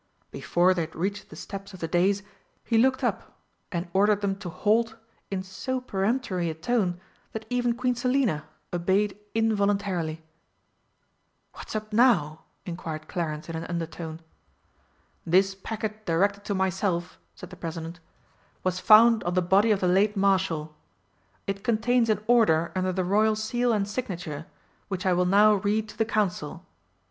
Before they had reached the steps of the dais, he looked up, and ordered them to halt in so peremptory a tone that even Queen Selina obeyed involuntarily. "What's up now?" inquired Clarence in an undertone. "This packet directed to myself," said the President, "was found on the body of the late Marshal. It contains an order under the Royal seal and signature, which I will now read to the Council."